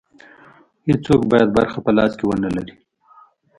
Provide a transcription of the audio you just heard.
هېڅوک باید برخه په لاس کې ونه لري.